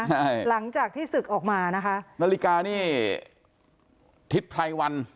ใช่หลังจากที่ศึกออกมานะคะนาฬิกานี่ทิศไพรวัน